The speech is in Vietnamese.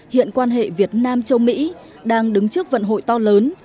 hiện quan hệ việt nam châu mỹ đang đứng trước vận hội to lớn